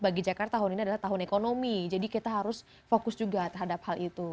bagi jakarta tahun ini adalah tahun ekonomi jadi kita harus fokus juga terhadap hal itu